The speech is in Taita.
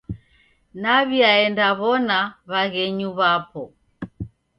Naw'iaendaw'ona w'aghenyu w'apo.